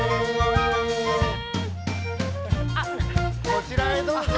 こちらへどうぞ！